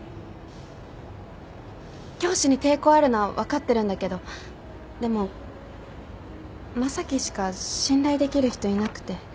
教師に抵抗あるのは分かってるんだけどでも正樹しか信頼できる人いなくて。